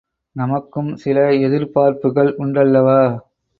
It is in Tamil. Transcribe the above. நமக்கும் சில எதிர்பார்ப்புக்கள் உண்டல்லவா?